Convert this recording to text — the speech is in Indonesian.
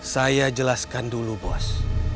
saya jelaskan dulu bos